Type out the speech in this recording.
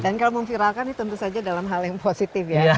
dan kalau memviralkan ini tentu saja dalam hal yang positif ya